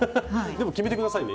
でも決めて下さいね